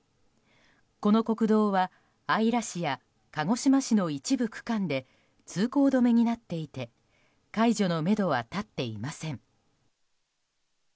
この国道は始良市や鹿児島市の一部区間で通行止めになっていて解除のめどは立っていません。